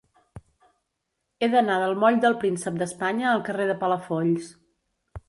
He d'anar del moll del Príncep d'Espanya al carrer de Palafolls.